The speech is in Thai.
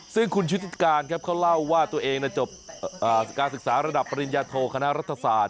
ซึ่งคุณชุติการครับเขาเล่าว่าตัวเองจบการศึกษาระดับปริญญาโทคณะรัฐศาสตร์